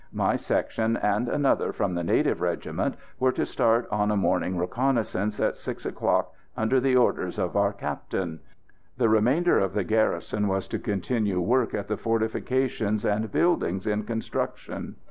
My section, and another from the native regiment, were to start on a morning reconnaissance at six o'clock under the orders of our Captain; the remainder of the garrison was to continue work at the fortifications and buildings in construction.